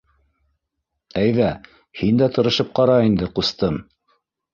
Әйҙә, һин дә тырышып ҡара инде, ҡустым.